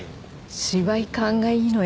芝居勘がいいのよ